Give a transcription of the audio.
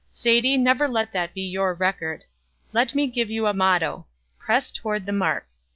Sadie, never let that be your record. Let me give you a motto 'Press toward the mark.'